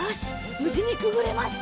ぶじにくぐれました！